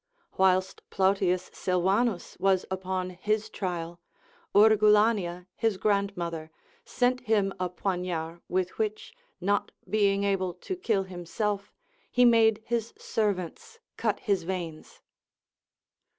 Whilst Plautius Silvanus was upon his trial, Urgulania, his grandmother, sent him a poniard with which, not being able to kill himself, he made his servants cut his veins.